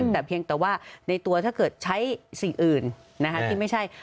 แต่เพียงแต่ว่าในตัวถ้าเกิดใช้สิ่งอื่นที่ไม่ใช่